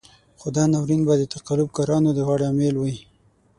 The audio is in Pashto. خو دا ناورين به د تقلب کارانو د غاړې امېل وي.